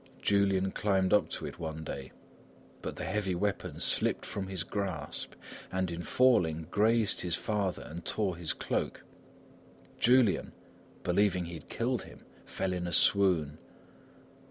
Julian climbed up to it one day, but the heavy weapon slipped from his grasp, and in falling grazed his father and tore his cloak. Julian, believing he had killed him, fell in a swoon.